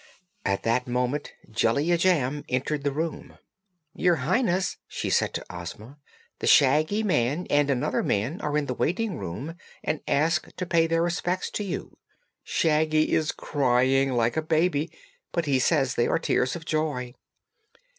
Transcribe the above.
At that moment Jellia Jamb entered the room. "Your Highness," she said to Ozma, "the Shaggy Man and another man are in the waiting room and ask to pay their respects to you. Shaggy is crying like a baby, but he says they are tears of joy."